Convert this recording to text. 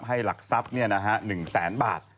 ให้หลักทรัพย์เนี่ยนะฮะ๑๐๐๐๐๐บาท